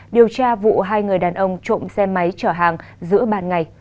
điều tra vụ hai người đàn ông trộm xe máy chở hàng giữa ban ngày